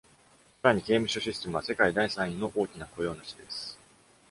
さらに、刑務所システムは、世界第三位の大きな雇用主です。